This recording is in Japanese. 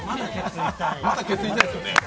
まだケツ、痛いですよね。